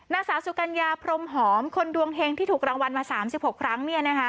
นางสาวสุกัญญาพรมหอมคนดวงเฮงที่ถูกรางวัลมา๓๖ครั้ง